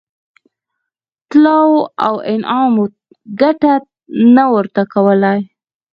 طلاوو او انعامونو ګټه نه ورته کوله.